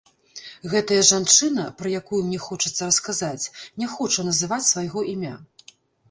Гэтая жанчына, пра якую мне хочацца расказаць, не хоча называць свайго імя.